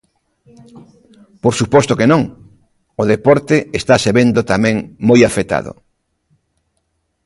Por suposto que non, o deporte estase vendo tamén moi afectado.